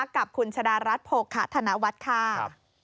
กับคุณชะดารัฐโภคะธนวัฒน์ค่ะ